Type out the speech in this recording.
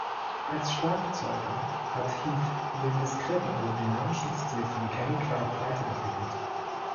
Als Schlagzeuger hat Heath den diskreten, aber dynamischen Stil von Kenny Clarke weiterentwickelt.